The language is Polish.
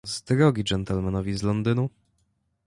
"Z drogi gentlemanowi z Londynu!"